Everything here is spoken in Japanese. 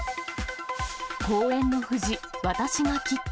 公園の藤、私が切った。